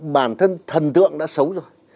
bản thân thần tượng đã xấu rồi